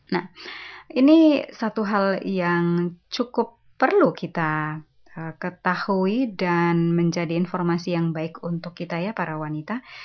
nah ini satu hal yang cukup perlu kita ketahui dan menjadi informasi yang baik untuk kita ya para wanita